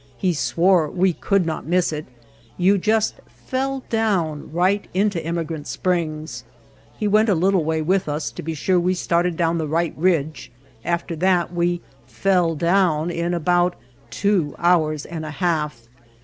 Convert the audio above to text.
He swore we could not miss it, you just "fell down" right into Emigrant Springs. He went a little way with us to be sure we started down the right ridge; after that we "fell down" in about two hours and a half.